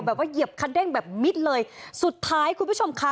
แบบว่าเหยียบคัดแด้งแบบมิดเลยสุดท้ายคุณผู้ชมคะ